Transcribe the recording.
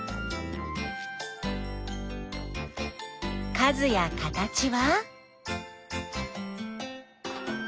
数や形は？